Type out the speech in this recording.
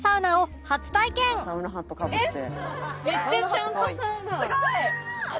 「サウナハットかぶって」